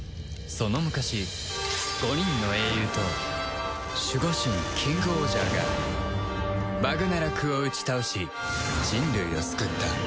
その昔５人の英雄と守護神キングオージャーがバグナラクを打ち倒し人類を救った